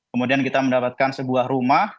kemudian kita mendapatkan sebuah rumah